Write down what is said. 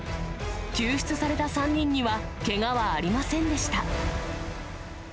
救出された３人には、けがはありませんでした。